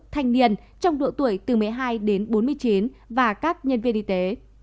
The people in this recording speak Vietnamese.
thanh niên trong độ tuổi từ một mươi hai đến bốn mươi chín và các nhân viên y tế